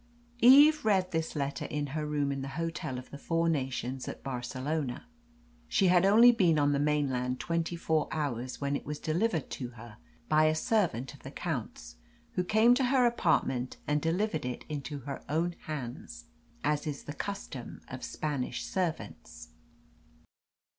Eve read this letter in her room in the Hotel of the Four Nations at Barcelona. She had only been on the mainland twenty four hours when it was delivered to her by a servant of the Count's, who came to her apartment and delivered it into her own hands, as is the custom of Spanish servants.